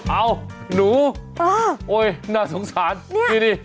เอาหนูโอ๊ยน่าสงสารนี่ดิ